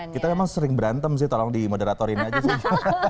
kita emang sering berantem sih tolong di moderatorin aja sih